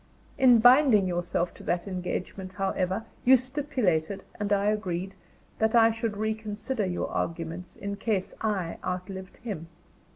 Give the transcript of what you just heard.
In binding yourself to that engagement, however, you stipulated, and I agreed, that I should reconsider your arguments in case I outlived him.